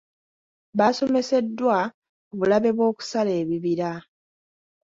Baasomeseddwa ku bulabe bw'okusala ebibira.